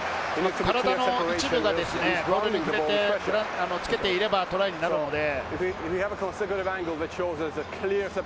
体の一部がボールに触れて、つけていればトライになるので。